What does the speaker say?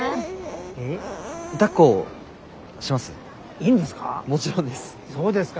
いいんですか？